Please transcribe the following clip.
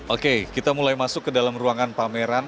oke kita mulai masuk ke dalam ruangan pameran